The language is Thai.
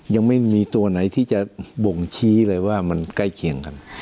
ยังไม่มีตัวไหนที่จะบ่งชี้เลยว่ามันใกล้เคียงกัน